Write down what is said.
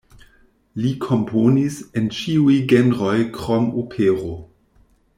Li komponis en ĉiuj genroj krom opero.